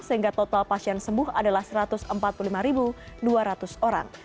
sehingga total pasien sembuh adalah satu ratus empat puluh lima dua ratus orang